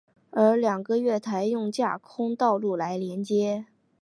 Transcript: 而两个月台用架空道路来连接。